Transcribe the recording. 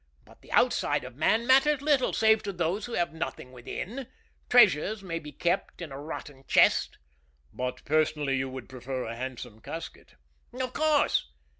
But the outside of man matters little, save to those who have nothing within. Treasures may be kept in a rotten chest." "But personally you would prefer a handsome casket?" "Of course.